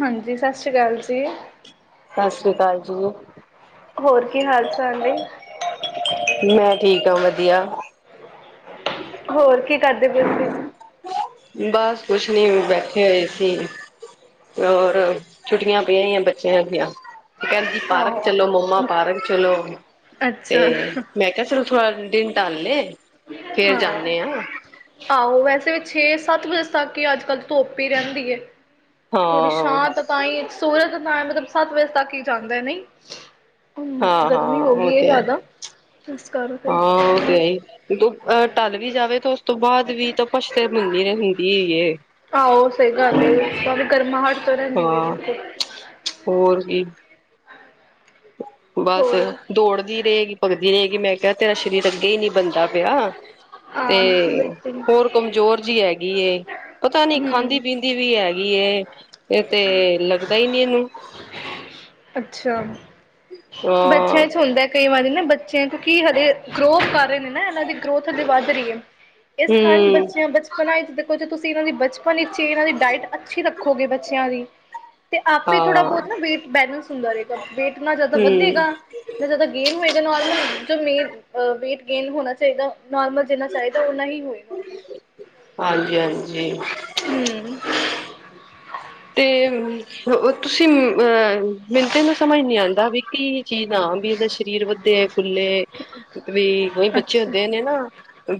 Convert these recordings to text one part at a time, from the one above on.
ਹਾਂਜੀ, ਸਤਿ ਸ੍ਰੀ ਅਕਾਲ ਜੀ। ਸਤਿ ਸ੍ਰੀ ਅਕਾਲ ਜੀ ਹੋਰ ਕੀ ਹਾਲ ਚਾਲ ਨੇ? ਮੈਂ ਠੀਕ ਆ, ਵਧੀਆ। ਹੋਰ ਕੀ ਕਰਦੇ ਪ ਅਸੀਂ। ਬਸ ਕੁਛ ਨੀ, ਬੈਠੇ ਹੋਏ ਸੀ। ਹੋਰ, ਛੁੱਟੀਆਂ ਪਈਆਂ ਹੀ ਆ ਬੱਚਿਆਂ ਦੀਆਂ। ਤੇ ਕਹਿਦੇ ਪਾਰਕ ਆਹੋ ਚਲੋ ਮੰਮਾ ਪਾਰਕ ਚਲੋ। ਤੇ ਅੱਛਾ ਮੈਂ ਮੈ ਕਿਹਾ, ਚਲੋ ਥੋੜਾ ਦਿਨ ਟਾਲੇ। ਫੇਰ ਜਾਂਦੇ ਹਾਂ। ਆਹੋ। ਵੈਸੇ ਵੀ ਛੇ ਸੱਤ ਵਜੇ ਤੱਕ ਹੀ ਅੱਜ ਕੱਲ ਧੁੱਪ ਹੀ ਰਹਿੰਦੀ ਹੈ। ਥੋੜੀ ਹਾਂ ਛਾਂਤ ਤਾਂ ਹੀ ਸੂਰਜ ਤਾਂ ਮਤਲਬ ਸੱਤ ਵਜੇ ਤੱਕ ਹੀ ਜਾਂਦਾ ਹੈ ਨਹੀਂ। ਹ ਹਾਂ ਹਾਂ ਗਰਮੀ ਹੋ ਉਹ ਗਈ ਹੈ ਤੇ ਜ਼ਿਆਦਾ ਇਸ ਕਾਰਨ। ਹਾਂ, ਤੇਈ। ਅਹ ਟਲ ਵੀ ਜਾਵੇ ਤੇ ਉਸ ਤੋਂ ਬਾਅਦ ਵੀ ਤਾਂ ਪਛਤੇ ਹੰਦੀ ਰ ਹੁੰਦੀ ਹੇ। ਆਹੋ ਸਹੀ ਗੱਲ ਵੇ। ਗਰਮਾ ਹਟ ਤੋਂ ਰਹਿੰਦੀ ਹੈ ਹਾਂ ਬਿਲਕੁਲ। ਹੋਰ ਵੀ। ਬਸ ਹੋਰ ਦੌੜਦੀ ਰਹੇਗੀ, ਪਕਦੀ ਰਹੇਗੀ। ਮੈਂ ਕਿਹਾ ਤੇਰਾ ਸਰੀਰ ਅੱਗੇ ਹੀ ਨਹੀਂ ਬਣਦਾ ਪਿਆ। ਤੇ ਹਾਂ ਬਿਲਕੁਲ ਹੋਰ ਕਮਜ਼ੋਰ ਜਿਹੀ ਹੈਗੀ। ਪਤਾ ਨੀ ਹਮ ਖਾਂਦੀ- ਪੀਂਦੀ ਵੀ ਹੈਗੀ। ਇਹ ਤੇ ਲੱਗਦਾ ਹੀ ਨੀ ਇਹਨੂੰ। ਅੱਛਾ। ਹਾਂ ਬੱਚਿਆਂ ਚ' ਹੁੰਦਾ। ਕਈ ਵਾਰੀ ਨਾ ਬੱਚੇ ਕਿਉਂਕਿ ਹਲੇੇ ਗਰੋਥ ਕਰ ਰਹੇ ਨੇ ਨਾ ਇਹਨਾਂ ਦੀ ਗਰੋਥ ਹਜੇ ਵੱਧ ਰਹੀ ਹੈ। ਇਸ ਸਨ ਹੂੰ ਬੱਚਿਆਂ ਬ ਣਾ ਦੇਖੋ, ਜੇ ਤੁਸੀਂ ਇਹਨਾਂ ਦੀ ਬਚਪਨ ਵਿੱਚ ਇਹਨਾਂ ਦੀ ਡਾਇਟ ਅੱਛੀ ਰੱਖੋਗੇ ਬੱਚਿਆਂ ਦੀ। ਤੇ ਆਪ ਹੀ ਥੋੜ੍ਹਾ ਹਾਂ ਬਹੁਤ ਨਾ ਵੇਟ ਬੈਲੈਂਸ ਹੁੰਦਾ ਰਹੇਗਾ। ਵੇਟ ਨਾ ਜ਼ਿਆਦਾ ਹੂੰ ਵਧੇਗਾ ਜ਼ਿਆਦਾ ਗੇਨ ਹੋਏਗਾ ਨੋਰਮਲ। ਜੋ ਮੇ ਵੇਟ ਗੇਨ ਹੋਣਾ ਚਾਹੀਦਾ ਨੋਰਮਲ। ਜਿੰਨਾ ਚਾਹੀਦਾ ਓਨਾ ਹੀ ਹੋਏਗਾ। ਹਾਂਜੀ ਹਾਂਜੀ ਹੂ ਤੇ ਤੁਸੀਂ ਅਹ ਮਿਨਤੇ ਨੂੰ ਸਮਝ ਨਹੀਂ ਆਉਂਦਾ ਵੀ ਕਿ ਚੀ ਹ ਵੀ ਇਹਦਾ ਸਰੀਰ ਵੱਧੇ ਫੁੱਲੇ ਵੀ। ਉਈ ਬੱਚੇ ਅੱਛਾ ਹੁੰਦੇ ਨੇ ਨਾ।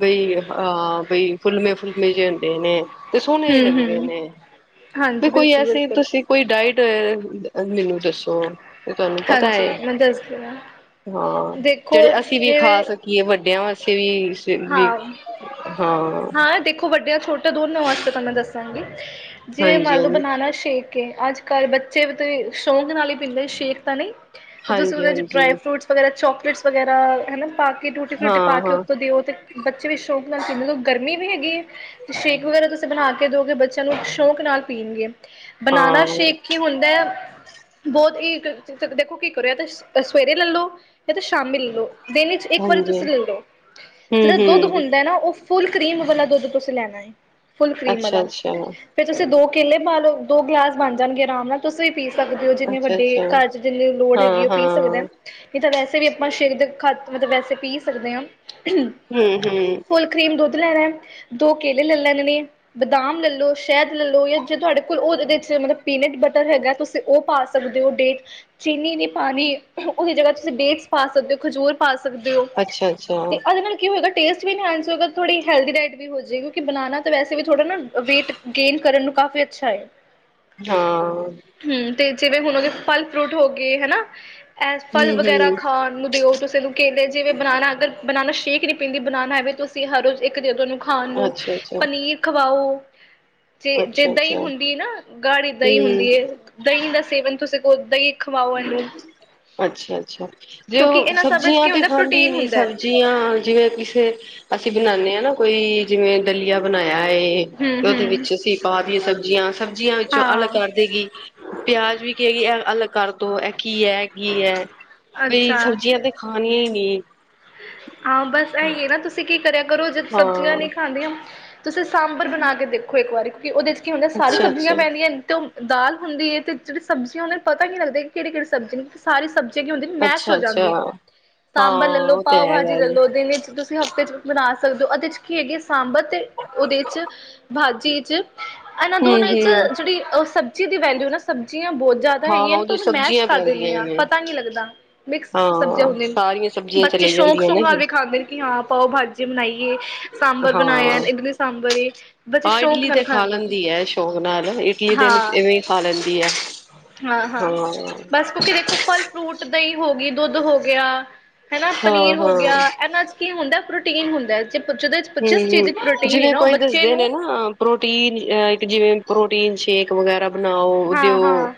ਬਈ ਹਾਂ ਬਈ ਫੁਲਮੇ- ਫੁਲਮੇ ਜੇ ਹੁੰਦੇ ਨੇ। ਤੇ ਸੋਹਣੇ ਵੀ ਲੱਗਦੇ ਹੂੰ-ਹੂੰ ਨੇ। ਵੀ ਹਾਂਜੀ ਕੋਈ ਐਸੀ ਬਿਲਕੁਲ-ਬਿਲਕੁਲ ਤੁਸੀਂ ਕੋਈ ਡਾਇਟ ਮੈਨੂੰ ਦੱਸੋ? ਤੇ ਤੁਹਾਨੂੰ ਪਤਾ ਹਾਂਜੀ ਹੈ। ਮੈਂ ਦੱਸਦੀ ਹਾਂ ਹਾਂ। ਦੇਖੋ ਜਿਹੜੇ ਅਸੀਂ ਵੀ ਜਿਵੇਂ ਖਾ ਸਕ ਕੀ ਵੱਡਿਆਂ ਵਾਸਤੇ ਵੀ ਵੀ। ਹਾਂ। ਵੱਡੀਆਂ- ਛੋਟੇ ਦੋਨਾਂ ਵਾਸਤੇ ਤੁਹਾਨੂੰ ਦੱਸਾਂਗੀ। ਜੇ ਹਾਂਜੀ ਹਾਂਜੀ ਮੰਨ ਲਓ ਬਨਾਨਾ ਸ਼ੇਕ ਅੱਜ ਕੱਲ ਬੱਚੇ ਸ਼ੌਂਕ ਨਾਲ ਹੀ ਪੀਂਦੇ ਸ਼ੇਕ ਤਾਂ ਨਹੀਂ। ਤੇ ਤੁਸੀਂ ਹਾਂਜੀ ਉਹਦੇ ਚ' ਹਾਂਜੀ ਡਰਾਈ ਫਰੂਟ ਵਗ਼ੈਰਾ ਚੋਕਲੇਟਸ ਵਗੈਰਾ ਹਨਾ ਪਾ ਕੇ ਟੂਟੀ- ਫੂਟੀ ਹਾਂ ਪਾ ਕੇ ਹਾਂ ਉੱਤੋਂ ਦੇ ਅਤੇ ਬੱਚੇ ਵੀ ਸ਼ੌਂਕ ਨਾਲ ਸੀ ਮਤਲਬ ਗਰਮੀ ਵੀ ਹੈਗੀ ਹੈ। ਸ਼ੇਕ ਵਗੈਰਾ ਤੁਸੀਂ ਬਣਾ ਕੇ ਦਓਗੇ ਬੱਚਿਆਂ ਨੂੰ ਸ਼ੌਕ ਨਾਲ ਪੀਣਗੇ ਹਾਂ ਬਨਾਨਾ ਸ਼ੇਕ। ਕਿ ਹੁੰਦੇ ਬਹੁਤ ਹੀ ਦੇਖੋ ਕੀ ਕਰੋ ਤੇ ਸਵੇਰੇ ਲੈ ਲਓ। ਜਾਂ ਤੇ ਸ਼ਾਮੀ ਲੈ ਲਓ। ਡਲੀ ਚ' ਇੱਕ ਵਾਰੀ ਹਾਂਜੀ ਤੁਸੀਂ ਲੈ ਲਓ। ਜਿਹੜਾ ਹਮ ਦੁੱਧ ਹਮ ਹੁੰਦਾ ਨਾ ਉਹ ਫੁੱਲ ਕ੍ਰੀਮ ਵਾਲਾ ਦੁੱਧ ਤੁਸੀਂ ਲੈਣਾ ਹੈ। ਫੁੱਲ ਕ੍ਰੀਮ ਵਾਲਾ। ਅੱਛਾ-ਅੱਛਾ, ਫਿਰ ਤੁਸੀਂ ਦੋ ਕੇਲੇ ਪਾ ਲਓ। ਦੋ ਗਲਾਸ ਬਣ ਜਾਣਗੇ ਆਰਾਮ ਨਾਲ ਤੁਸੀਂ। ਪੀ ਸਕਦੇ ਹੋ ਜਿੰਨੇ ਵੱਡੇ ਅੱਛਾ-ਅੱਛਾ, ਘਰ ਚ' ਜਿੰਨੀ ਲੋੜ ਹੈਗੀ ਉਹ ਪੀ ਹਾਂ-ਹਾਂ, ਸਕਦਾ। ਨਹੀਂ ਤਾਂ ਵੈਸੇ ਵੀ ਆਪਾਂ ਸ਼ੇਕ ਦੇ ਖਾ ਮਤਲਬ ਵੈਸੇ ਪੀ ਸਕਦੇ ਹਾਂ। ਹੂ- ਹੂ। ਫੁੱਲ ਕਰੀਮ ਦੁੱਧ ਲੈਣਾ। ਦੋ ਕੇਲੇ ਲੈ ਲੈਣੇ ਨੇ। ਬਦਾਮ ਲੈਲੋ, ਸ਼ਹਿਦ ਲੈਲੋ ਜਾਂ ਜੇ ਤੁਹਾਡੇ ਕੋਲ ਉਹਦੇ ਚ ਮਤਲਬ ਪੀਨਟ ਬਟਰ ਹੈਗਾ ਉਹ ਪਾ ਸਕਦੇ ਹੋ ਡੇਟ, ਚੀਨੀ ਨ ਪਾਣੀ। ਉਹਦੀ ਜਗ੍ਹਾ ਤੁਸੀਂ ਡੇਟਸ ਪਾ ਸਕਦੇ ਹੋ ਖਜੂਰ। ਪਾ ਸਕਦੇ ਹੋ, ਅੱਛਾ-ਅੱਛਾ, ਤੇ ਆਦੇ ਨਾਲ ਕੀ ਹੋਏਗਾ ਟੇਸਟ ਵੀ ਇਨਹੈਂਸ ਹੋਗਾ ਥੋੜ੍ਹੀ ਹੈਲਦੀ ਡਾਇਟ ਵੀ ਹੋ ਜੇਗੀ ਕਿਉਂਕਿ ਬਣਾਉਣਾ ਤਾਂ ਵੈਸੇ ਥੋੜ੍ਹਾ ਨਾ ਵੇਟ ਗੇਨ ਕਰਨ ਨੂੰ ਕਾਫੀ ਅੱਛਾ ਹੈ। ਹਾਂ। ਹੂ। ਤੇ ਜਿਵੇਂ ਹੁਣ ਹੋ ਗਏ ਫਲ, ਫਰੂਟ ਹੋ ਗਏ ਹਨਾ। ਐ ਫਲ ਵਗੈਰਾ ਹੂੰ-ਹੂੰ, ਖਾਣ ਨੂੰ ਦਿਓ। ਤੁਸੀਂ ਇਹਨੂੰ ਕੇਲੇ ਜਿਵੇਂ ਬਨਾਨਾ ਅਗਰ ਬਨਾਨਾ ਸ਼ੇਕ ਨੀ। ਪਿੰਨੀ ਬਨਾਨਾ ਐਵੇਂ ਤੁਸੀਂ ਹਰ ਰੋਜ਼ ਇੱਕ ਦੇ ਦੋ ਇਹਨੂੰ ਖਾਣ ਨੂੰ ਅੱਛਾ-ਅੱਛਾ, ਪਨੀਰ ਖਵਾਓ ਜੇ, ਜੇ ਅੱਛਾ-ਅੱਛਾ, ਦਹੀਂ ਹੁੰਦੀ ਨਾ ਗਾੜੀ ਦਹੀਂ ਹੂੰ, ਹੁੰਦੀ ਹੈ ਦਹੀਂ ਦਾ ਸੇਵਨ ਤੁਸੀਂ ਕੋ ਦਹੀਂ ਖਵਾਓ, ਇਹਨੂੰ। ਅੱਛਾ-ਅੱਛਾ, ਜੇ ਕਿਉਂਕਿ ਉਹ ਇਹਨਾਂ ਸਭ ਵਿੱਚ ਸਬਜ਼ੀਆਂ ਕੀ ਤੇ ਹੁੰਦਾ ਖਾਂਦੀ ਪ੍ਰੋਟੀਨ ਨੀ ਹੁੰਦਾ ਹੈ ਸਬਜ ਜੀਆਂ, ਜਿਵੇਂ ਕਿਸੇ ਅਸੀਂ ਬਣਾਦੇ ਹਾਂ ਨਾ, ਕੋਈ ਜਿਵੇਂ ਦਲੀਆ ਬਣਾਇਆ ਹੈ। ਤੇ ਹਮ ਉਹਦੇ ਹਮ ਵਿੱਚ ਅਸੀਂ ਪਾ ਦੀਏ ਸਬਜ਼ੀਆਂ, ਸਬਜ਼ੀਆਂ ਵਿੱਚੋਂ ਅਲਗ ਹਾਂ ਕਰ ਦੇਗੀ ਪਿਆਜ ਵੀ ਕਏਗੀ ਏ ਅਲਗ ਕਰ ਦੋ ਏ ਕੀ ਹੈ, ਕੀ ਹੈ ਬਈ, ਅੱਛਾ ਸਬਜ਼ੀਆਂ ਤੇ ਖਣੀਆਂ ਹੀ ਨਹੀ। ਹਾਂ, ਬਸ ਇਂ ਨਾ ਤੁਸੀਂ ਕੀ ਕਰਿਆ ਕਰੋ, ਜਦ ਸਬਜ਼ੀਆਂ ਹਾਂ, ਨਹੀਂ ਖਾਂਦੀਆਂ ਤੁਸੀਂ ਸਾਂਬਰ ਬਣਾ ਕੇ ਦੇਖੋ ਇੱਕ ਵਾਰੀ ਕਿ ਉਹਦੇ ਚ ਕੀ ਹੁੰਦਾ ਸਾਰੀ ਸਬਜ਼ੀਆਂ ਅੱਛਾ-ਅੱਛਾ। ਪੈਦੀਆਂ ਨੇ ਤੇ ਓ ਦਾਲ ਹੁੰਦੀ ਹੈ ਤੇ ਜਿਹੜੀ ਸਬਜ਼ੀਆਂ ਹੁੰਦੇ ਨੇ ਪਤਾ ਨੀ ਲੱਗਦਾ ਕਿਹੜੀ ਕਿਹੜੀ ਸਬਜ਼ੀ ਨੇ ਸਾਰੀ ਸਬਜ਼ੀਆਂ ਕੀ ਹੁੰਦੀ ਮੈਸ਼ ਹੋ ਅੱਛਾ-ਅੱਛਾ, ਜਾਂਦੀਆਂ ਹਾਂ ਸਾਂਬਰ ਲੈ ਲਓ, ਉਹ ਤੇ ਪਾਓ ਹੈ ਭਾਜੀ ਲੈ ਗੱਲ ਲਓ ਦਿਨ ਚ ਤੁਸੀਂ ਹਫ਼ਤੇ ਚ ਬਨਾ ਸਕਦੇ ਹੋ, ਉਹਦੇ ਚ ਕੀ ਹੈਗੇ ਸਾਂਬਰ ਤੇ ਉਹਦੇ ਚ ਭਾਜੀ ਚ, ਇਹਨਾਂ ਦੋਨਾਂ ਚ ਹੂੰ-ਹੂੰ, ਜਿਹੜੀ ਅਹ ਸਬਜ਼ੀ ਦੀ ਵੈਲਿਊ ਨਾ, ਸਬਜ਼ੀਆਂ ਬਹੁਤ ਜ਼ਿਆਦਾ ਹਾਂ ਹੈਗੀਆਂ ਨੇ ਤੁ ਉਹਦੀ ਉਹਨੂੰ ਮੈਸ਼ ਸਬਜ਼ੀਆਂ ਕਰ ਦਿੰਦੀ ਪੈਂਦੀਆਂ ਹਾਂ ਨੇ ਪਤਾ ਨੀ ਲੱਗਦਾ। ਮਿਕਸ ਸਬਜ਼ੀਆਂ ਹੁੰਦੀਆਂ ਨੇ ਸ ਸਬੀਆਂ [unintelligible] ਸ਼ੌਕ ਸ਼ੁਕ ਨਾਲ ਵੀ ਖਾਂਦੇ ਨੇ ਕਿ ਹਾਂ, ਪਾਓ ਭਾ ਜੇ ਬਣਾਈਏ ਸਾਂਬਰ ਬਣਾਇਆ। ਹਾਂ। ਇਡਲੀ ਸਾਂਬਰ ਏ, ਬੱਚੇ ਹਾਂ ਸ਼ੌਕ ਇਡਲੀ ਤੇ ਨਾਲ ਖਾ ਖਾਂਦੇ ਨੇ। ਲੈਂਦੀ ਹੈ ਸ਼ੌਕ ਨਾਲ, ਇਟਲੀ ਦਿਨ ਚ ਇਵੇਂ ਖਾ ਲੈਂਦੀ ਐ। ਹਾਂ ਹਾਂ, ਬਸ ਕਿਉਂਕਿ ਦੇਖੋ ਫਲ-ਫਰੂਟ, ਦਹੀ ਹੋ ਗਈ ਦੁੱਧ ਹੋ ਗਿਆ ਹੈਨਾ, ਪਨੀਰ ਹੋ ਹਾਂ-ਹਾਂ-ਹਾਂ, ਗਿਆ, ਇਹਨਾਂ ਚ ਕੀ ਹੁੰਦਾ ਪ੍ਰੋਟੀਨ ਹੁੰਦਾ ਜੇ ਪੁੱਛਦੇ ਹਮ-ਹਮ, ਜਿਵੇਂ ਕੋਈ ਦੱਸਦੇ ਨੇ ਨਾ ਪ੍ਰੋਟੀਨ ਇੱਕ ਜਿਵੇਂ ਪ੍ਰੋਟੀਨ ਸ਼ੇਕ [unintelligible] ਵਗੈਰਾ ਬਣਾਓ ਓ ਦਿਓ। ਹਾਂ-ਹਾਂ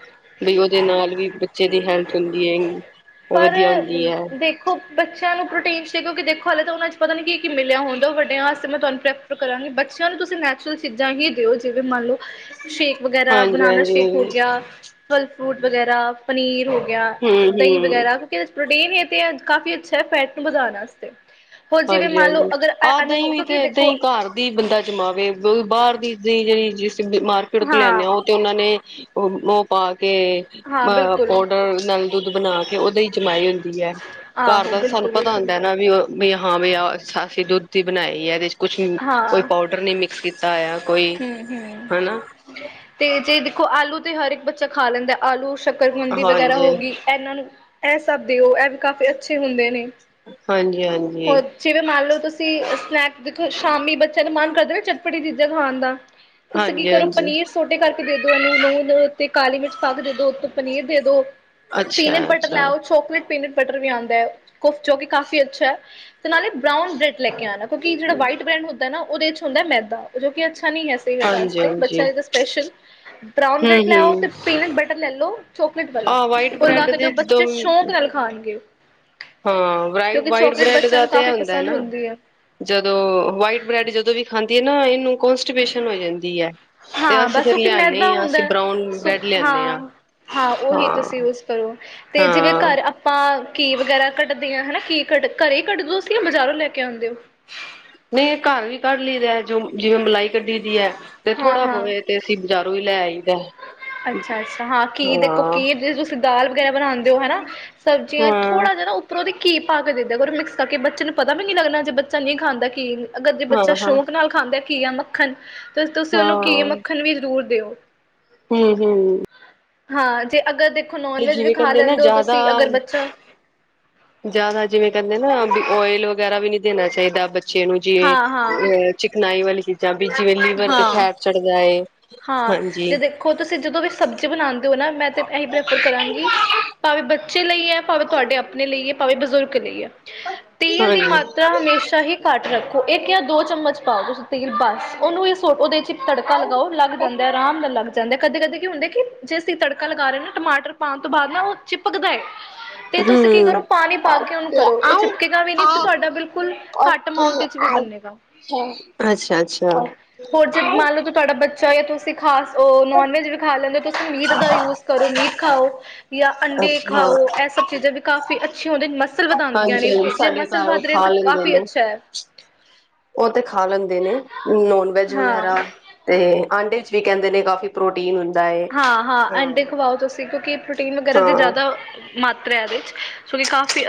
ਬੀ ਉਹਦੇ ਨਾਲ ਵੀ ਬੱਚੇ ਦੀ ਹੈਲਥ ਹੁੰਦੀ ਹੈ, ਵਧੀਆ ਹੁੰਦੀ ਹੈ। ਖੋ, ਬੱਚਿਆਂ ਨੂੰ ਪ੍ਰੋਟੀਨ ਸ਼ੇਕ ਕਿਉਂਕਿ ਦੇਖੋ ਹਲੇ ਤਾਂ ਉਹਨਾਂ ਚ ਪਤਾ ਨਹੀਂ ਕੀ-ਕੀ ਮਿਲਿਆ ਹੁੰਦਾ ਵੱਡਿਆਂ ਵਾਸਤੇ ਮੈਂ ਤੁਹਾਨੂੰ ਪਰ ਕਰਾਂਗੇ, ਬੱਚਿਆਂ ਨੂੰ ਤੁਸੀਂ ਨੈਚੁਰਲ ਚੀਜ਼ਾਂ ਹੀ ਦਿਓ ਜਿਵੇਂ ਮੰਨ ਲਓ ਸ਼ੇਕ ਵਗੈਰਾ ਬਨਾਨਾ ਸੇ਼ ਹਾਂਜੀ-ਹਾਂਜੀ, ਫਲ ਫਰੂਟ ਵਗੈਰਾ ਪਨੀਰ ਹੋ ਗਿਆ, ਦਹੀਂ ਹੂੰ-ਹੂੰ, ਵਗੈਰਾ ਪ੍ਰੋਟੀਨ ਹੀ ਤੇ ਕਾਫੀ ਅੱਛਾ ਹੈ, ਫੈਟ ਨੂੰ ਵਧਾਣ ਆਸਤੇ। ਹੋਰ ਜਿਵੇਂ ਮੰਨ ਲਓ ਹਾਂਜੀ-ਹਾਂਜੀ। ਅਗਰ ਇਹ ਨੂੰ, ਕਿਉ ਕੀ ਦੇਖੋ ਦਿ ਬੰਦਾ ਜਮਾਵੇ, ਬਾਹਰ ਦੀ ਦੀ ਜਿਹੜੀ ਮਾਰਕੀਟ ਲਿਆਂਦੇ ਹਾਂ ਆ ਉਹ ਤੇ ਉਹਨਾਂ ਨੇ ਉਹ ਮੂੰਹ ਪਾ ਕੇ ਹਾਂ ਪ ਬਿਲਕੁਲ ਪਾਊਡਰ ਨਾਲ ਦੁੱਧ ਬਣਾ ਕੇ ਉਹਦੇ ਹੀ ਜਮਾਈ ਹੁੰਦੀ ਹੈ। ਘਰ ਆਹੋ ਦਾ ਤਾਂ ਸਾਨੂੰ ਬਿਲਕੁਲ ਪਤਾ ਬਿਲਕੁਲ ਹੁੰਦਾ ਨਾ। ਵੀ ਉਹ ਵੀ ਹਾਂ ਵੀ ਆਹ ਅਸੀਂ ਦੁੱਧ ਹੀ ਬਣਾਈ ਆ। ਇਹਦੇ ਚ ਕੁਛ ਵੀ ਕੋਈ ਹਾਂ ਪਾਊਡਰ ਨੀ ਮਿਕਸ ਕੀਤਾ ਹੋਇਆ। ਕੋਈ ਹੂੰ-ਹੂੰ ਹਨਾ ਤੇ ਜੇ ਦੇਖੋ ਆਲੂ ਤੇ ਹਰ ਇੱਕ ਬੱਚਾ ਖਾ ਲੈਂਦਾ। ਆਲੂ- ਸ਼ਕਰਕੰਦੀ ਵਗੈਰਾ ਹੋ ਹਾਂਜੀ। ਗਈ। ਐਨਾਂ ਨੂੰ ਏਹ ਸਭ ਦਿਓ ਇਹ ਵੀ ਕਾਫੀ ਅੱਛੇ ਹੁੰਦੇ ਨੇ। ਹਾਂਜੀ-ਹਾਂਜੀ, ਹੋਰ ਜਿਵੇਂ ਮੰਨ ਲਓ ਤੁਸੀਂ ਸਨੈਕ ਦੇਖੋ ਸ਼ਾਮੀ ਬੱਚਿਆਂ ਨੂੰ ਮਾਣ ਕਰਦਾ ਨਾ, ਚਟਪਟੀ ਚੀਜ਼ਾਂ ਖਾਣ ਦਾ। ਤੁਸੀਂ ਕੀ ਕਰੋ ਹਾਂਜੀ-ਹਾਂਜੀ, ਪਨੀਰ ਸੋਟੇ ਕਰਕੇ ਦੇ ਦੋ ਇਹਨੂੰ ਨੂਨ ਤੇ ਕਾਲੀ ਮਿਰਚ ਪਾ ਕੇ ਦੋ ਤੇ ਪਨੀਰ ਦੇ ਦੋ ਪੀਨਟ ਬਟਰ ਲੈ ਅੱਛਾ-ਅੱਛਾ। ਆਓ ਚੋਕਲੇਟ ਪੀਨਟ ਬਟਰ ਵੀ ਆਂਦਾ ਐ, ਉਹ ਜੋ ਕਿ ਕਾਫੀ ਅੱਛਾ ਹੈ। ਤੇ ਨਾਲੇ ਬਰਾਊਨ ਬਰੈਡ ਲੈ ਕੇ ਆਨਾ। ਕਿਉਂਕਿ ਜੇੜਾ ਵਾਈਟ ਬ੍ਰੈਂਡ ਹੁੰਦਾ ਏ ਨਾ, ਉਹਦੇ ਹੁੰਦਾ ਮੈਦਾ ਜੋ ਕਿ ਅੱਛਾ ਨਹੀਂ ਹੈ। ਸਿਹਤ ਆਸਤੇ ਹਾਂਜੀ-ਹਾਂਜੀ, ਬੱਚਿਆਂ ਦੀ ਤਾਂ ਸਪੈਸ਼ਲ ਬਰਾਊਨ ਬ੍ਰੈਡ ਲੈਓ ਹੂੰ-ਹੂੰ ਤੇ ਪੀਨਟ ਬਟਰ ਲੈ ਲਓ ਚੋਕਲੇਟ ਵਾਲਾ, ਆਹ ਵਾਈਟ ਉਹ ਗ ਬ੍ਰੈਡ ਕੇਦੇਓ ਦੇ ਬੱਚੇ ਸ਼ੌਂਕ ਜਦੋਂ ਨਾਲ ਖਾਣਗੇ। ਹਾਂ, ਵ ਕਿਉਂਕਿ ਵਾਈਟ ਚੋਕਲੇਟ ਬ੍ਰੈਡ ਬੱਚਿਆਂ ਦਾ ਨੂੰ ਤੇ ਇਹ ਕਾਫ਼ੀ ਹੁੰਦਾ ਹੈ ਪਸੰਦ ਨਾ ਹੁੰਦੀ ਹੈ ਜਦੋਂ, ਵਾਈਟ ਬ੍ਰੈਡ ਜਦੋਂ ਵੀ ਖਾਂਦੀ ਹੈ ਨਾ ਇਹਨੂੰ ਕੌਂਸਟੀਪੇਸ਼ਨ ਹੋ ਜਾਂਦੀ ਹੈ। ਤੇ ਹਾਂ, ਅਸੀਂ ਬਸ ਫਿਰ ਕਿਓਂ ਕਿ ਲਿਆਨੇ ਮੈਦਾ ਹਾਂ ਹੁੰਦਾ ਅਸੀਂ ਏ ਬਰਾਊਨ ਸੁ ਬ੍ਰੈਡ ਲਿਆਨੇ ਹਾਂ ਹਾਂ, ਉਹੀ ਤੁਸੀਂ ਹਾਂ ਯੂਸ ਕਰੋ ਤੇ ਜਿਵੇਂ ਹਾਂ ਘਰ ਅਪ ਆਪਾਂ ਘੀ ਵਗੈਰਾ ਕੱਢਦੇ ਹਾਂ ਹਨਾ ਘੀ ਘਰੇ ਹੀ ਕੱਢ ਦੋ ਤੁਸੀਂ ਜਾਂ ਬਜ਼ਾਰੋਂ ਲੈ ਕੇ ਆਉਂਦੇ ਹੋ? ਨਹੀਂ, ਇਹ ਘਰ ਵੀ ਕੱਢ ਲਈਦਾ ਜੋ ਜਿਵੇਂ ਮਲਾਈ ਕੱਢੀ ਦੀ ਹੈ ਤੇ ਥੋੜਾ ਹਾਂ-ਹਾਂ, ਬਹੁਏ ਤੇ ਅਸੀਂ ਬਜਾਰੋਂ ਹੀ ਲੈ ਆਈਦਾ। ਅੱਛਾ, ਅੱਛਾ ਹਾਂ ਘੀ ਦੇਖੋ ਹਾਂ ਘੀ ਜੇ ਤੁਸੀਂ ਦਾਲ ਵਗੈਰਾ ਬਣਾਉਂਦੇ ਹੋ ਹਨਾ ਸਬਜ਼ੀਆਂ ਹਾਂ ਥੋੜ੍ਹਾ ਜਿ ਪਰ ਉਹਦੇ ਘੀ ਪਾ ਕੇ ਦੇ ਦਿਆ ਕਰੋ ਮਿਕਸ ਕਰਕੇ ਬੱਚੇ ਨੂੰ ਪਤਾ ਵੀ ਨੀ ਲੱਗਣਾ ਜੇ ਬੱਚਾ ਨਹੀਂ ਖਾਂਦਾ ਘੀ ਅਗਰ ਜੇ ਹਾਂ ਬੱਚਾ ਹਾਂ ਹਾਂ ਸ਼ੌਕ ਨਾਲ ਖਾਂਦੇ ਘੀ ਯਾ ਮੱਖਣ, ਤਾਂ ਤੁਸੀਂ ਉਹਨੂੰ ਘੀ, ਮੱਖਣ ਵੀ ਜ਼ਰੂਰ ਦਿਓ। ਹੂੰ, ਹੂੰ। ਹਾਂ, ਜੇ ਅਗਰ ਦੇਖੋ ਨੋਨ ਵੈਜ ਵੀ ਜਿਵੇਂ ਖਾ ਕਹਿੰਦੇ ਨਾ ਲੈਂਦੇ ਹੋ ਤੁਸੀਂ, ਅਗਰ ਬੱਚਾ ਜਿਆਦਾ ਜਿਵੇਂ ਕਹਿੰਦੇ ਨਾ ਵਿ ਆਇਲ ਵਗੈਰਾ ਵੀ ਨਹੀਂ ਦੇਣਾ ਚਾਹੀਦਾ ਬੱਚੇ ਨੂੰ ਜੇ ਹਾਂ-ਹਾਂ, ਹਾਂ। ਚਿਕਨਾਈ ਵਾਲੀ ਚੀਜ਼ਾਂ ਬੀ ਜਿਵੇਂ ਲੀਵਰ ਤੇ ਹਾਂ ਫੈਟ ਚੜ੍ਹਦਾ ਏ, ਹਾਂਜੀ। ਖੋ ਤੁਸੀਂ ਜਦੋਂ ਵੀ ਸਬਜ਼ੀ ਬਣਾਦੇ ਹੋ ਨਾ, ਮੈਂ ਤੇ ਇਹੀ ਪ੍ਰੈਫਰ ਕਰਾਂਗੀ ਭਾਵੇਂ ਬੱਚੇ ਲਈ ਹੈ, ਭਾਵੇਂ ਤੁਹਾਡੇ ਆਪਣੇ ਲਈ ਹੈ, ਭਾਵੇਂ ਬਜ਼ੁਰਗ ਲਈ ਹੈ, ਤੇਲ ਦੀ ਹਾਂਜੀ ਮਾਤ ਤਾਂ ਹਮੇਸ਼ਾ ਹੀ ਘੱਟ ਰੱਖੋ। ਇੱਕ ਜਾਂਦੋ ਚਮਚ ਪਾਓ। ਤੁਸੀਂ ਤੇਲ ਬਸ ਉਹਨੂੰ ਇਹ ਸੂਟ ਉਹਦੇ ਤੇ ਤੜਕਾ ਲਗਾਓ ਲੱਗ ਜਾਂਦਾ ਆਰਾਮ ਨਾਲ ਲੱਗ ਜਾਂ ਜਾਂਦਾ ਕਦੇ-ਕਦੇ ਹੁੰਦੇ ਕਿ ਜੇ ਅਸੀਂ ਤੜਕਾ ਲਗਾ ਰੇ ਟਮਾਟਰ ਪਾਣ ਤੋਂ ਬਾਅਦ ਨਾ ਉਹ ਚਿਪਕਦਾ ਏ ਤੇ ਤੁਸੀਂ ਕੀ ਕਰੋ। ਹੂੰ ਪਾਣੀ ਪਾ ਕੇ ਉਹਨੂੰ ਕਰੋ ਉਹ ਅੱਛਾ ਛਿਪਕੇਗਾ ਵੀ ਨੀ ਤੇ ਤੁਹਾਡਾ ਬਿਲਕੁਲ ਘੱਟ ਅਮਾਊਂਟ ਚ ਵੀ ਬਨੇਗਾ। ਅੱਛਾ-ਅੱਛਾ। ਹੋਰ ਜਦ ਮੰਨ ਲਓ ਕਿ ਤੁਹਾਡਾ ਬੱਚਾ ਜਾਂ ਤੁਸੀਂ ਖਾਸ ਨੋਨ-ਵੈਜ ਵੀ ਖਾ ਲੈਂਦੇ ਹੋ। ਤੁਸੀਂ ਮੀਟ ਦਾ ਯੂਜ ਕਰੋ। ਮੀਟ ਖਾਓ ਜਾ ਅੰਡੇ ਅੱਛਾ ਖਾਓ ਐ ਸਭ ਚੀਜ਼ਾਂ ਵੀ ਕਾਫੀ ਅੱਛੀ ਆਉਂਦੇ ਮਸਲ ਵਧਾਂਦੀਆਂ ਹਾਂਜੀ ਨੇ ਹਾਂਜੀ ਜੇ ਸਾਡੇ ਮਸਲ ਘਰ ਉਹ ਵੱਧ ਰਹੇ ਖਾ ਤੇ ਕਾਫੀ ਅੱਛਾ। ਓ ਤੇ ਖਾ ਲੈਂਦੇ ਨੇ ਨੋਨ-ਵੈਜ ਹਾਂ ਵਗੈਰਾ ਤੇ ਆਂਡੇ ਵਿੱਚ ਵੀ ਕਹਿੰਦੇ ਨੇ ਕਾਫੀ ਪ੍ਰੋਟੀਨ ਹੁੰਦਾ ਏ ਹਾਂ ਹਾਂ ਅਂਡੇ ਖਵਾਓ ਤੁਸੀਂ, ਕਿਉਂਕਿ ਪ੍ਰੋਟੀਨ ਵਗੈਰਾ ਦੀ ਹਾਂ ਜ਼ਿਆਦਾ ਮਾਤਰਾ ਇਹਦੇ ਚ, ਸੋ ਕਿ ਕਾਫੀ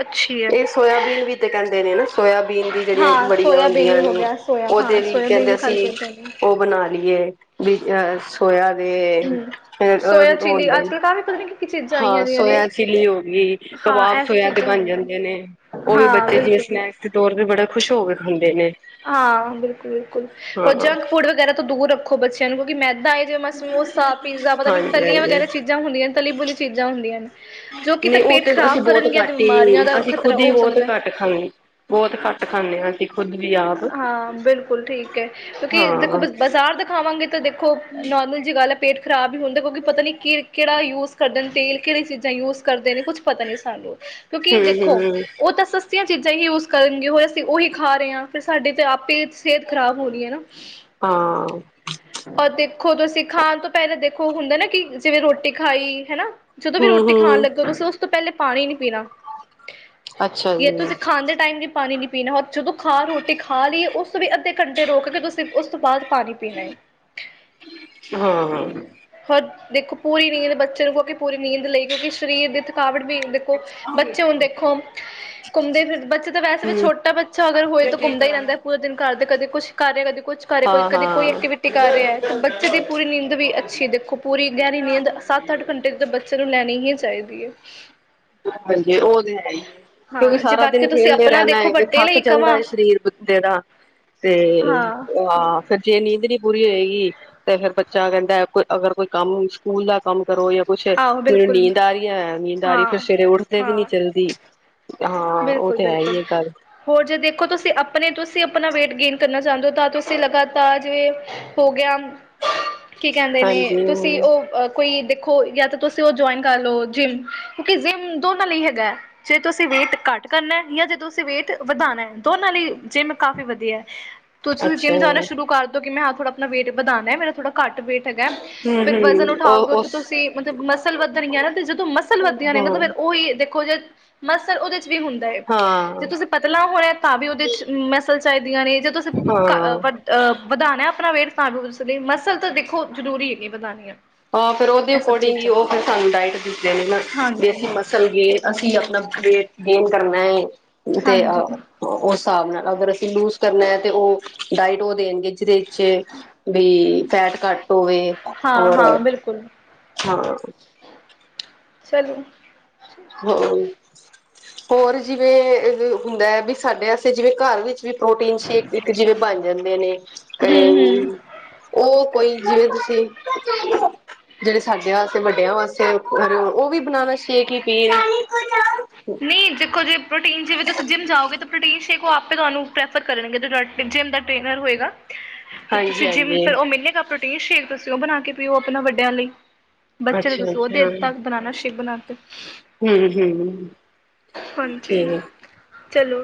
ਇਹ ਸੋਇਆਬੀਨ ਵੀ ਤੇ ਕਹਿੰਦੇ ਨੇ ਨਾ, ਸੋਇਆਬੀਨ ਦੀ ਜਿਹੜੀਆਂ ਹਾਂ ਬੜੀਆਂ ਸੋਇਆਬੀਨ ਵੀ ਹੁੰਦੀਆਂ ਹੋ ਨੇ ਗਿਆ ਸੋਇਆ ਉਹਦੇ ਹਾਂ ਲਈ ਸੋਇਆਬੀਨ ਕਹਿੰਦੇ ਵੀ ਖਾਣੀ ਅਸੀਂ ਚਾਹੀਦੀ ਤੁਹਾਨੂੰ ਉਹ ਬਣਾ ਲਈਏ, ਬੀ ਅਹ ਸੋਇਆ ਦੇ, ਫੇਰ ਔ ਹੁਂਦੇ ਨ ਤੁ [inaudible] ਹਾਂ ਸੋਇਆ ਚਿਲੀ ਹੋ ਗਈ, ਹਾਂ ਕਬਾਬ ਇਹ ਸਭ ਸੋਇਯ ਦੇ ਚੀਜ਼ਾਂ ਬਣ ਹੋਈਆਂ ਜਾਂਦੇ ਨੇ, ਉਹ ਵੀ ਹਾਂ ਬੱਚੇ ਜਿਵੇਂ ਬਿਲਕੁਲ ਸਨੈਕ ਫਿਰ ਤੇ ਹੋਰ ਵੀ ਬੜੇ ਖੁਸ਼ ਹੋ ਕੇ ਖਾਂਦੇ ਨੇ ਹਾਂ ਬਿਲਕੁਲ ਬਿਲਕੁਲ, ਹੋਰ ਹਾਂ ਜੰਕ ਫੂਡ ਵਗੈਰਾ ਤੋਂ ਦੂਰ ਰੱਖੋ ਬੱਚਿਆਂ ਨੂੰ, ਕਿਉਂਕਿ ਮੈਂਦਾਂ ਜਿਵੇੰ ਸਮੋਸਾ, ਪੀਜ਼ਾ ਪਤਾ ਨੀ ਤਲੀਆਂ ਹਾਂਜੀ-ਹਾਂਜੀ। ਵਗੈਰਾ ਚੀਜ਼ਾਂ ਹੁੰਦੀਆਂ ਹਨ, ਤਲੀ ਬੁਲੀ ਚੀਜ਼ਾਂ ਹੁੰਦੀਆਂ ਨੇ ਜੋ ਕਿ ਨਹੀਂ ਫਿਰ ਉਹ ਪੇਟ ਤੇ ਅਸੀਂ ਖ਼ਰਾਬ ਬਹੁਤ ਕਰਨਗੀਆਂ ਤੇ ਘੱਟ ਹੀ ਬਿਮਾਰੀਆਂ ਦਾ ਅਸੀਂ ਖ਼ਤਰਾ ਖੁਦ ਉਹ ਹੀ ਹੋ ਬਹੁਤ ਸਕਦਾ ਘੱਟ ਖਾਂਣੀ, ਬਹੁਤ ਹੀ ਘੱਟ ਖਾਂਦੇ ਹਾਂ ਅਸੀ ਖੁਦ ਵੀ ਆ ਹਾਂ ਬਿਲਕੁਲ ਠੀਕ ਹੈ, ਕਿਉਂਕਿ ਹਾਂ ਦੇਖੋ ਬਾਜ਼ਾਰ ਦਾ ਖਾਵਾਂਗੇ ਤਾਂ ਦੇਖੋ ਨੌਰਮਲ ਗੱਲ ਹੈ ਪੇਟ ਖ਼ਰਾਬ ਹੀ ਹੁੰਦਾ, ਕਿਉਂਕਿ ਪਤਾ ਨਹੀਂ ਕਿ ਕਿਹੜਾ ਯੂਜ ਕਰਦੇ ਨੇ ਤੇਲ, ਕਿਹੜੀਆਂ ਚੀਜ਼ਾਂ ਯੂਜ ਕਰਦੇ ਨੇ ਕੁਛ ਪਤਾ ਨੀ ਸਾਨੂੰ, ਕਿਉਂਕਿ ਹਮ ਦੇਖੋ ਹਮ ਉਹ ਤਾਂ ਸਸਤੀਆਂ ਚੀਜ਼ਾਂ ਹੀ ਯੂਜ ਕਰਨਗੇ, ਔ ਅਸੀਂ ਉਹੀ ਖਾ ਰਹੇ ਹਾਂ ਫੇਰ ਸਾਡੀ ਤੇ ਆਪੇ ਸਿਹਤ ਖ਼ਰਾਬ ਹੋਣੀ ਹੈ ਨਾ ਹਾਂ ਔਰ ਦੇਖੋ ਤੁਸੀਂ ਖਾਣ ਤੋਂ ਪਹਿਲਾਂ ਦੇਖੋ ਹੁੰਦਾ ਨਾ ਕਿ, ਜਿਵੇਂ ਰੋਟੀ ਖਾਈ ਹੈਨਾ ਜਦੋਂ ਵੀ ਹਮ ਰੋਟੀ ਖਾਣ ਹਮ ਲੱਗੋ, ਤੁਸੀਂ ਉਸ ਤੋਂ ਪਹਿਲੇ ਪਾਣੀ ਨੀ ਪੀਣਾ, ਅੱਛਾ ਯ ਤੁਸੀਂ ਜੀ ਖਾਂਦੇ ਟਾਈਮ ਵੀ ਪਾਣੀ ਨੀ ਪੀਣਾ, ਰ ਜਦੋਂ ਖਾ ਰੋ ਰੋਟੀ ਖਾ ਲਈ ਏ, ਉਸ ਤੋਂ ਵੀ ਅੱਧੇ ਘੰਟੇ ਰੋਕ ਕੇ, ਤੁਸੀਂ ਉਸ ਤੋਂ ਬਾਅਦ ਪਾਣੀ ਪੀਣਾ ਹਾਂ ਹਾਂ ਹੋਰ ਦੇਖੋ ਪੂਰੀ ਨੀਂਦ ਬੱਚੇ ਨੂੰ ਕ ਕੇ ਪੂਰੀ ਨੀਂਦ ਲਈ, ਕਿਉਂਕਿ ਸਰੀਰ ਦੀ ਥਕਾਵਟ ਵੀ ਬੱਚੇ ਹੁਣ ਦੇਖੋ ਘੁੰਮਦੇ ਫਿਰਦੇ, ਬੱਚੇ ਤਾਂ ਵੈਸੇ ਵੀ ਛੋਟਾ ਬੱਚਾ ਅਗਰ ਹੋਏ ਦਾ ਰਹਿੰਦਾ ਪੂਰੇ ਦਿਨ ਘਾਰ, ਕਦੇ ਕੁਛ ਕਰ ਰਿਹਾ ਕਦੇ ਕੁਛ ਕਰ ਰਿਹਾ ਕੋਈ ਹਾਂ ਕਦੀ ਕੋਈ ਹਾਂ ਐਕਟੀਵਿਟੀ ਕਰ ਰਿਹਾ ਹੈ, ਤੇ ਬੱਚੇ ਦੀ ਪੂਰੀ ਨੀਂਦ ਵੀ ਅੱਛੀ, ਦੇਖੋ ਪੂਰੀ ਗਹਿਰੀ ਨੀਂਦ ਸੱਤ ਅੱਠ ਘੰਟੇ ਦੇ ਬੱਚੇ ਨੂੰ ਲੈਣੀ ਹੀ ਚਾਹੀਦੀ ਏ। ਹਾਂਜੀ, ਉਹ ਤੇ ਹੈ ਹੀ ਕਿਉਂਕਿ ਹਾਂ ਜੇ ਸਾਰਾ ਦਿਨ ਬਾਕੀ ਤੁਸੀਂ ਖੇਲਦੇ ਆਪਣਾ ਰਹਿੰਦਾ ਦੇਖੋ ਹੈ, ਕਿ ਵੱਡੇ ਥੱਕ ਲਈ ਜਾਂਦਾ ਕਵਾਂ ਹੈ ਸਰੀਰ ਬੱਚੇ ਦਾ ਤੇ ਹਾਂ ਅਹ, ਫਿਰ ਜੇ ਨੀਂਦ ਨਹੀਂ ਪੂਰੀ ਹੋਏਗੀ ਤੇ ਫੇਰ ਬੱਚਾ ਕਹਿੰਦਾ, ਕੋਈ ਅਗਰ ਕੋਈ ਕੰਮ ਸਕੂਲ ਦਾ ਕੰਮ ਕਰੋ ਜਾਂ ਕੁਛ, ਆਹੋ ਮੈਨੂੰ ਬਿਲਕੁਲ ਨੀਂਦ ਆ ਰਹੀ ਹੈ, ਨੀਂਦ ਆਾਰੀ ਫਿਰ ਸਵੇਰੇ ਉੱਠਦੇ ਵੀ ਨਹੀਂ ਹਾਂ-ਹਾਂ, ਜਲਦੀ, ਹਾਂ ਉਹ ਤੇ ਹੈ ਹੀ ਬਿਲਕੁਲ-ਬਿਲਕੁਲ। ਹੈ ਗੱਲ। ਹੋਰ ਜੇ ਦੇਖੋ ਤੁਸੀਂ ਆਪਣੇ ਤੁਸੀਂ ਆਪਣਾ ਵੇਟ ਗੇਨ ਕਰਨਾ ਚਾਹੁੰਦੇ ਹੋ, ਤਾਂ ਤੁਸੀਂ ਲਗਾਤਾਰ ਜਿਵੇਂ ਹੋ ਗਿਆ ਹਾਂ [unintelligible] ਕੀ ਕਹਿੰਦੇ ਨੇ, ਤੁਸੀਂ ਉਹ ਕੋਈ ਦੇਖੋ ਹੋ ਗਿਆ ਤਾਂ ਤੁਸੀਂ ਉਹ ਜੁਆਇਨ ਕਰ ਲੋ, ਜਿੰਮ ਕਿਉਂਕਿ ਜਿੰਮ ਦੋਨਾਂ ਲਈ ਹੈਗਾ ਹੈ ਜੇ ਤੁਸੀਂ ਵੇਟ ਘੱਟ ਕਰਨਾ, ਜਾਂ ਜੇ ਤੁਸੀਂ ਵੇਟ ਵਧਾਉਣਾ ਦੋਨਾਂ ਲਈ ਜਿੰਮ ਕਾਫ਼ੀ ਵਧੀਆ ਹੈ ਤੁਸੀਂ ਵੀ ਅੱਛਾ ਜਿੰਮ ਜਾਣਾ ਸ਼ੁਰੂ ਕਰ ਦੋ, ਕਿ ਮੈਂ ਥੋੜਾ ਆਪਣਾ ਵੇਟ ਵਧਾਉਦਾ ਮੇਰਾ ਥੋੜਾ ਘੱਟ ਵੇਟ ਹੈਗਾ ਹਮ ਫਿਰ ਹਮ ਵਜ਼ਨ ਉਠਾਓਗੇ ਉਹ ਉੱਥ ਉਸ ਤੁਸੀਂ ਮਤਲਬ ਮਸਲ ਵੱਧਣਗੀਆਂ ਨਾ, ਤੇ ਜਦੋਂ ਮਸਲ ਵੱਦੀ ਨੇ ਨਾ ਹਾਂ ਤਾਂ ਫੇਰ ਉਹੀ ਦੇਖੋ ਜੇ ਮਸਲ ਉਹਦੇ ਚ ਵੀ ਹੁੰਦਾ ਹੈ, ਜੇ ਹਾਂ ਤੁਸੀਂ ਪਤਲਾ ਹੋਣਾ ਤਾਂ ਵੀ ਉਹਦੇ ਚ ਮਸਲ ਚਾਹੀਦੀਆਂ ਨੇ, ਜੇ ਤੁ ਹਾਂ ਵੱਡ [inaudible] ਅਹ ਵਧਾਣਾ ਆਪਣਾ ਵੇਟ, ਤਾਂ ਲਈ ਮਸਲ ਤਾਂ ਦੇਖੋ ਜ਼ਰੂਰੀ ਹੈਗੀ ਵਧਾਣੀ ਆ ਹਾਂ ਫਿਰ ਉਹਦੇ ਇਹ ਸਭ ਅਕੋਰਡਿੰਗ ਹੀ ਚੀਜ਼ਾਂ ਉਹ ਫਿਰ ਸਾਨੂੰ ਡਾਇਟ ਦਸਦੇ ਨਾ ਵੀ ਹਾਂਜੀ ਅਸੀਂ ਮ ਚੱਲ ਜੇ ਅਸੀਂ ਆਪਣਾ ਵੇਟ ਗੇਨ ਕਰਨਾ ਹੈ, ਤੇ ਹਾਂਜੀ ਅ ਉਸ ਹਿਸਾਬ ਨਾਲ, ਅਗਰ ਅਸੀਂ ਲੂਜ ਕਰਨਾ ਹੈ ਤੇ ਉਹ ਡਾਇਟ ਉਹ ਦੇਣਗੇ ਜਿਹਦੇ ਜੇ, ਵੀ ਫੈਟ ਘੱਟ ਹੋਵੇ ਹਾਂ ਔਰ ਹਾਂ ਬਿਲਕੁਲ ਹਾਂ ਚਲੋ ਹਾਂ ਹੋਰ ਜਿਵੇਂ ਹੁੰਦਾ ਹੈ ਵੀ ਸਾਡੇ ਵਾਸਤੇ ਜਿਵੇਂ ਘਰ ਵਿੱਚ ਵੀ! ਪ੍ਰੋਟੀਨ ਸ਼ੇਕ, ਇੱਕ ਜਿਵੇਂ ਬਣ ਜਾਂਦੇ ਨੇ! ਹਮ ਹਮ ਉਹ, ਕੋਈ ਜਿਵੇਂ ਤੁਸੀਂ। ਜਿਹੜੇ ਸਾਡੇ ਵੱਡਿਆਂ ਵਾਸਤੇ ਉਹ ਵੀ ਬਣਾਉਣਾ ਸ਼ੇਕ ਹੀ ਪੀਨ। ਨਹੀਂ ਦੇਖੋ ਜੇ ਪ੍ਰੋਟੀਨ ਜਿਵੇਂ ਤੁਸੀਂ ਜਿੰਮ ਜਾਓਗੇ ਤਾਂ ਪ੍ਰੋਟੀਨ ਸ਼ੇਕ ਉਹ ਆਪੇ ਤੁਹਾਨੂੰ ਪ੍ਰੈਫਰ ਕਰਨਗੇ। ਜੇਮ ਦਾ ਟ੍ਰੇਨਰ ਹੋਏਗਾ। ਹ ਤੇ ਤੁਸੀਂ ਜਿਮ ਤੋ ਮਿਲੇਗਾ ਪ੍ਰੋਟੀਨ ਸ਼ੇਕ ਤੁਸੀਂ ਉਹ ਬਣਾ ਕੇ ਪੀਓ ਆਪਣਾ ਵੱਡਿਆਂ ਲਈ। ਬੱਚੇ ਨੂੰ ਅੱਛਾ ਤੁਸੀਂ ਅੱਛਾ ਉਹਦੇਰ ਤਾਂ ਬੇਨਣਾ ਸ਼ੈਕੇ ਬੇਨਾ ਕੇ। ਹਮ ਹਮ। ਹਾਂਜੀ ਠੀਕ ਚਲੋ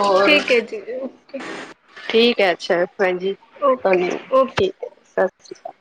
ਹੋਰ ਠੀਕ ਹੈ, ਜੀ ਓਕੇ। ਠੀਕ ਹੈ, ਅੱਛਾ, ਹਾਂਜੀ, ਓਕੇ ਤੁਾਨੂੰ ਜੀ ਓਕੇ ਸਤਿ ਸ਼੍ਰੀ ਅਕਾਲ।